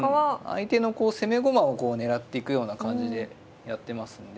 相手の攻め駒をこう狙っていくような感じでやってますんで。